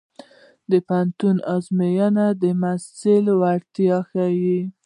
د پوهنتون ازموینې د محصل وړتیا ښيي.